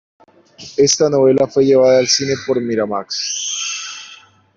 Esta novela fue llevada al cine por Miramax.